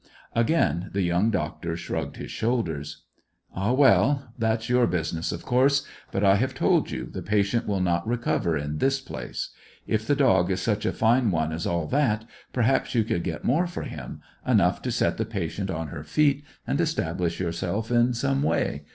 Again the young doctor shrugged his shoulders. "Ah, well, that's your business, of course; but I have told you the patient will not recover in this place. If the dog is such a fine one as all that, perhaps you could get more for him; enough to set the patient on her feet, and establish yourself in some way.